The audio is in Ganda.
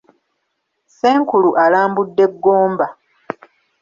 Ssenkulu alambudde Gomba.